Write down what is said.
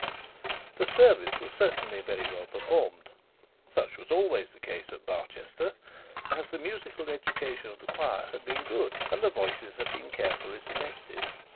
The service was certainly well performed. Such was always the case at Barchester, as the musical education of the choir had been good, and the voices had been carefully selected.